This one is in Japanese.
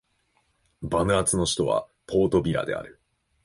バヌアツの首都はポートビラである